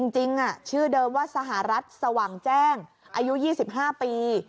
จริงชื่อเดิมว่าสหรัฐสว่างแจ้งอายุ๒๕ปี